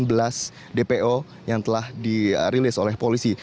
enam belas dpo yang telah dirilis oleh polisi